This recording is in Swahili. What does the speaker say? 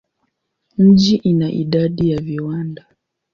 Mji ina idadi ya viwanda.